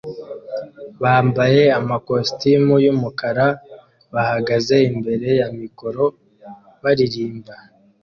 bambaye amakositimu yumukara bahagaze imbere ya mikoro baririmba